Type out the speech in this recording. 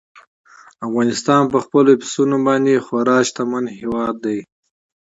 افغانستان په خپلو پسونو باندې خورا غني هېواد دی.